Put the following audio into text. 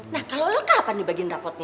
nah kalau lo kapan dibagiin rapotnya